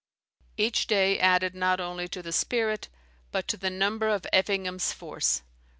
Each day added not only to the spirit, but to the number of Effingham's force.